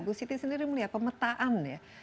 bu siti sendiri melihat pemetaan ya